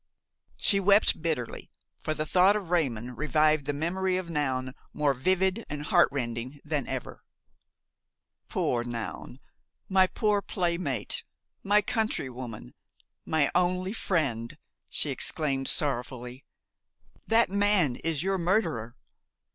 She wept bitterly; for the thought of Raymon revived the memory of Noun, more vivid and heartrending than ever. "Poor Noun! my poor playmate! my countrywoman, my only friend!" she exclaimed sorrowfully; "that man is your murderer.